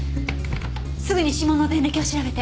すぐに指紋の前歴を調べて。